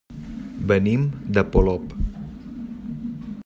Venim de Polop.